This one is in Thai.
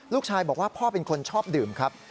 ลูกชายบอกว่าพ่อเป็นคนชอบดื่มครับ